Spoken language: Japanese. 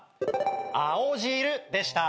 「青汁」でした。